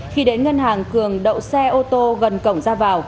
khi đến ngân hàng cường đậu xe ô tô gần cổng ra vào